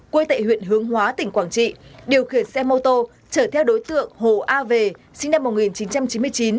quê tại huyện hướng hóa tỉnh quảng trị điều khiển xe mô tô chở theo đối tượng hồ a về sinh năm một nghìn chín trăm chín mươi chín